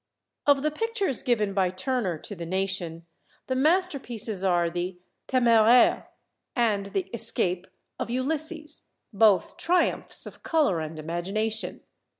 Of the pictures given by Turner to the nation, the masterpieces are the "Téméraire" and the "Escape of Ulysses," both triumphs of colour and imagination.